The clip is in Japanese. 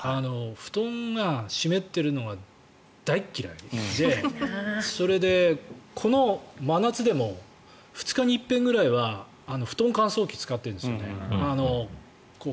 布団が湿ってるのが大嫌いでそれでこの真夏でも２日に一遍ぐらいは布団乾燥機を使ってるんですよね。